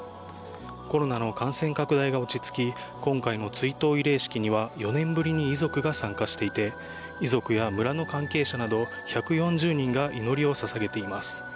コロナの感染拡大が落ち着き、今回の追悼慰霊式には４年ぶりに遺族が参加していて、遺族や村の関係者など１４０人が祈りをささげています。